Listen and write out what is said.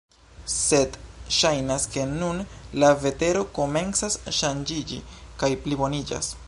Sed ŝajnas ke nun la vetero komencas ŝanĝiĝi kaj pliboniĝas.